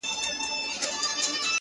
• پر قسمت یې د تیارې پلو را خپور دی,